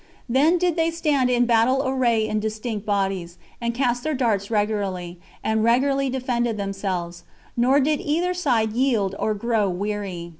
Then did they stand in battle array in distinct bodies, and cast their darts regularly, and regularly defended themselves; nor did either side yield or grow weary.